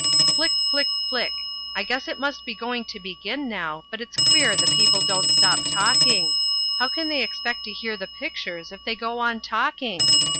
Flick, flick, flick! I guess it must be going to begin now, but it's queer the people don't stop talking: how can they expect to hear the pictures if they go on talking?